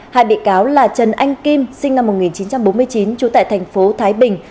hai bị cáo là trần anh kim sinh năm một nghìn chín trăm bốn mươi chín trú tại thành phố thái bình